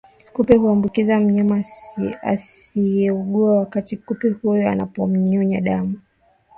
kupe huambukiza mnyama asiyeugua wakati kupe huyo anapomnyonya damu